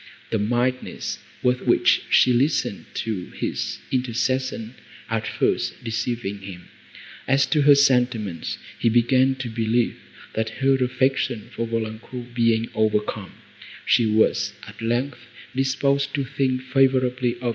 The mildness, with which she listened to his intercessions at first, deceiving him, as to her sentiments, he began to believe, that, her affection for Valancourt being overcome, she was, at length, disposed to think favourably of M.